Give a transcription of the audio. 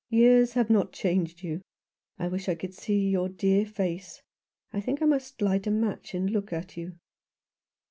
Years have not changed you. I wish I could see your dear face. I think I must light a match and look at you."